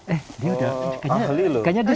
eh ini udah kayaknya